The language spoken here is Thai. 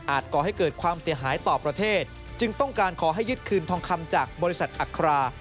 ก่อให้เกิดความเสียหายต่อประเทศจึงต้องการขอให้ยึดคืนทองคำจากบริษัทอัครา